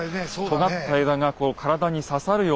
とがった枝が体に刺さるような感じ。